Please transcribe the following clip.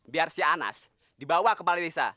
biar si anas dibawa ke palilisa